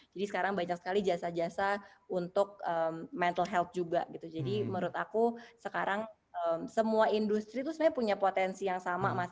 jadi sekarang banyak sekali jasa jasa untuk mental health juga gitu jadi menurut aku sekarang semua industri tuh sebenarnya punya potensi yang sama mas